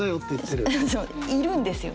そういるんですよ。